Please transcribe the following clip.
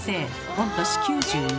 御年９１。